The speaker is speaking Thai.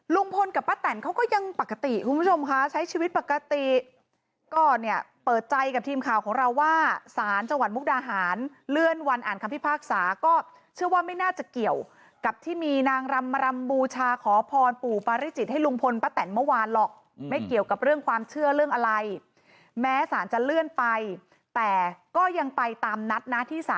ลุงพลกับป้าแตนเขาก็ยังปกติคุณผู้ชมคะใช้ชีวิตปกติก็เนี่ยเปิดใจกับทีมข่าวของเราว่าสารจังหวัดมุกดาหารเลื่อนวันอ่านคำพิพากษาก็เชื่อว่าไม่น่าจะเกี่ยวกับที่มีนางรำมารำบูชาขอพรปู่ปาริจิตให้ลุงพลป้าแตนเมื่อวานหรอกไม่เกี่ยวกับเรื่องความเชื่อเรื่องอะไรแม้สารจะเลื่อนไปแต่ก็ยังไปตามนัดนะที่๓